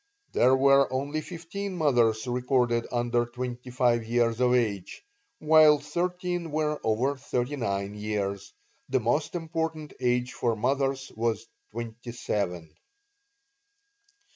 There were only fifteen mothers recorded under twenty five years of age, while thirteen were over thirty nine years; the most important age for mothers was twenty seven.